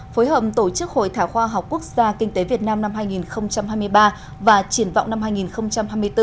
phối hợp tổ chức hội thảo khoa học quốc gia kinh tế việt nam năm hai nghìn hai mươi ba và triển vọng năm hai nghìn hai mươi bốn